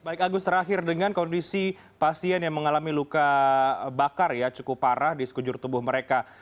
baik agus terakhir dengan kondisi pasien yang mengalami luka bakar ya cukup parah di sekujur tubuh mereka